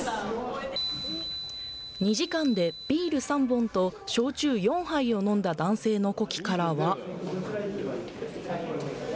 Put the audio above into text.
２時間でビール３本と焼酎４杯を飲んだ男性の呼気からは。